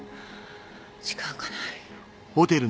時間がない。